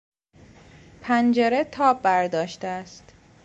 پنجره تاب برداشته است.